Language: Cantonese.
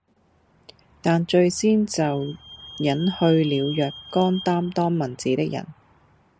但最先就隱去了若干擔當文字的人，